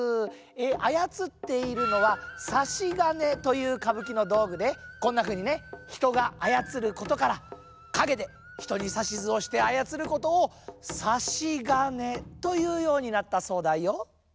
あやつっているのは「さしがね」というかぶきのどうぐでこんなふうにねひとがあやつることからかげでひとにさしずをしてあやつることを「さしがね」というようになったそうだよ。